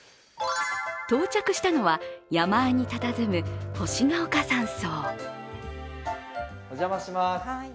到着したのは、山あいにたたずむ星ヶ岡山荘。